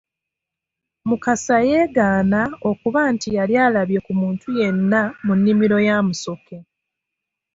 Mukasa yeegaana okuba nti yali alabye ku muntu yenna mu nnimiro ya Musoke.